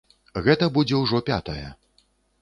Гэта будзе ўжо пятая.